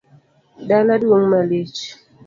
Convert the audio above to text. Dala duong’ malich